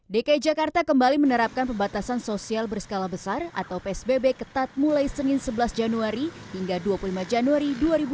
dki jakarta kembali menerapkan pembatasan sosial berskala besar atau psbb ketat mulai senin sebelas januari hingga dua puluh lima januari dua ribu dua puluh